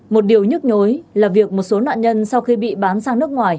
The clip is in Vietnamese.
một điều nhức nhối là việc một số nạn nhân sau khi bị bán sang nước ngoài